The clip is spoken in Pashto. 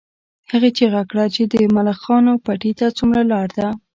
هغې چیغه کړه چې د ملخانو پټي ته څومره لار ده